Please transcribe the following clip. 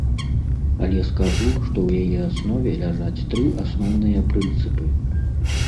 Але скажу, што ў яе аснове ляжаць тры асноўныя прынцыпы.